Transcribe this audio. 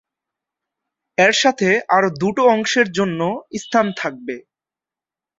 এর সাথে আরও দুটো অংশের জন্য স্থান থাকবে।